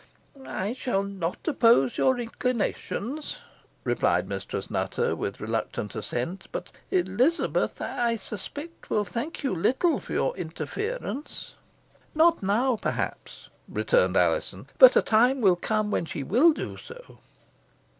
"I shall not oppose your inclinations," replied Mistress Nutter, with reluctant assent; "but Elizabeth, I suspect, will thank you little for your interference." "Not now, perhaps," returned Alizon; "but a time will come when she will do so."